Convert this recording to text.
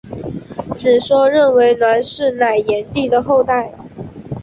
此说认为栾氏乃炎帝的后代。